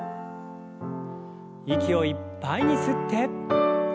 息をいっぱいに吸って。